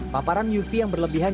paparan uv yang berlebihan